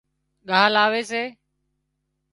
ڳاهَ لاوي سي